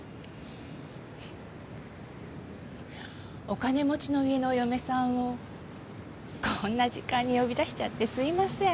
お金持ちの家のお嫁さんをこんな時間に呼び出しちゃってすいません。